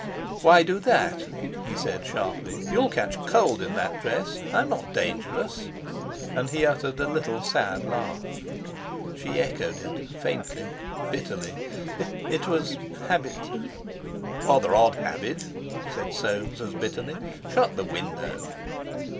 "Why do that?" he said sharply. "You'll catch cold in that dress. I'm not dangerous." And he uttered a little sad laugh. She echoed it—faintly, bitterly. "It was—habit." "Rather odd habit," said Soames as bitterly. "Shut the window!"